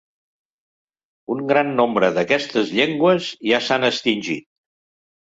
Un gran nombre d'aquestes llengües ja s'han extingit.